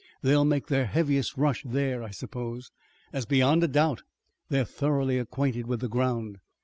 They'll make their heaviest rush there, I suppose, as beyond a doubt they are thoroughly acquainted with the ground."